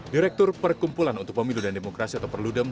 direktur perkumpulan untuk pemilu dan demokrasi atau perludem